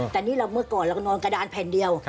แต่นี่เมื่อก่อนเราก็นอนกระดานแผ่นเดียว